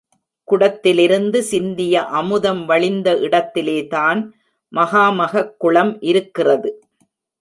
குடத்திலிருந்து சிந்திய அமுதம் வழிந்த இடத்திலேதான் மகாமகக் குளம் இருக்கிறது.